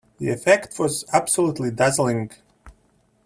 The effect was absolutely dazzling.